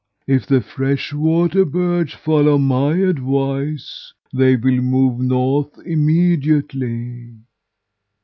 If the fresh water birds follow my advice, they will move north immediately.'